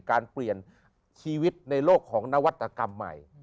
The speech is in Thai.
การเปลี่ยนชีวิตในโลกของนวัตกรรมใหม่